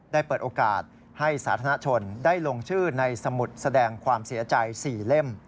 ได้เปิดโอกาสให้สาธารณชนได้ลงชื่อในสมุดแสดงความเสียใจ๔เล่ม